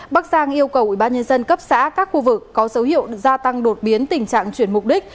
bắc giang yêu cầu ủy ban nhân dân cấp xã các khu vực có dấu hiệu gia tăng đột biến tình trạng chuyển mục đích